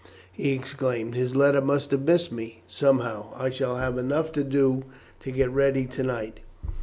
he exclaimed. "His letter must have missed me somehow. I shall have enough to do to get ready to night."